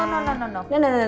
tadi berapa diri lah